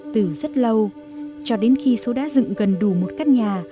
từ rất lâu cho đến khi số đá dựng gần đủ một căn nhà